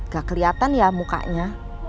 gak keliatan ya mukanya